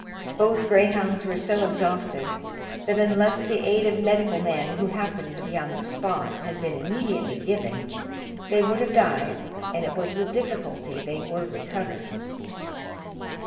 Both greyhounds were so exhausted, that unless the aid of medical men, who happened to be on the spot, had been immediately given, they would have died, and it was with difficulty they were recovered.